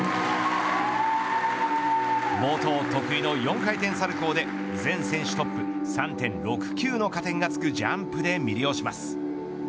冒頭、得意の４回転サルコウで全選手トップ３．６９の加点がつくジャンプで魅了します。